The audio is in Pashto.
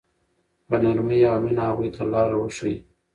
په نرمۍ او مینه هغوی ته لاره وښایئ.